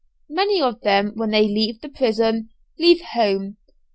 Many of them when they leave the prison, leave home.